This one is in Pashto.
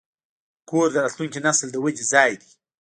کور د راتلونکي نسل د ودې ځای دی.